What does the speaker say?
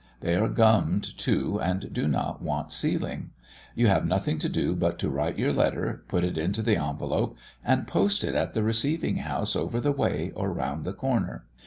They are gummed, too, and do not want sealing. You have nothing to do but to write your letter, put it into the envelope, and post it at the receiving house over the way or round the corner.